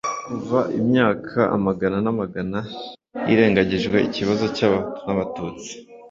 Kuva imyaka amagana n’amagana hirengagijwe ikibazo cy’abahutu n’Abatutsi